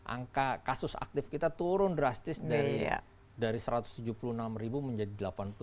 angka kasus aktif kita turun drastis dari satu ratus tujuh puluh enam ribu menjadi delapan puluh tujuh